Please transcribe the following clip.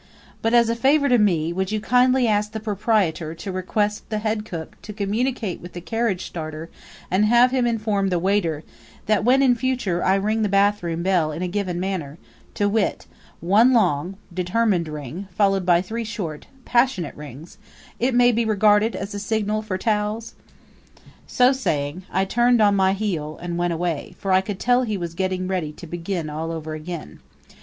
"But, as a favor to me, would you kindly ask the proprietor to request the head cook to communicate with the carriage starter and have him inform the waiter that when in future I ring the bathroom bell in a given manner to wit: one long, determined ring followed by three short, passionate rings it may be regarded as a signal for towels?" So saying, I turned on my heel and went away, for I could tell he was getting ready to begin all over again.